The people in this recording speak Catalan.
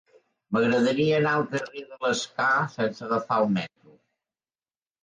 M'agradaria anar al carrer de l'Escar sense agafar el metro.